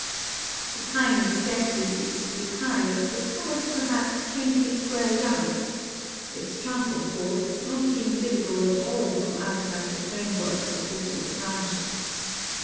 The pine is scarcely six feet high, but covers perhaps twenty square yards ;— its trunk, of course, not being visible at all from outside the f rame^ work supporting the branches.